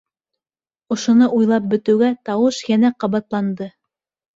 Ошоно уйлап бөтөүгә тауыш йәнә ҡабатланды: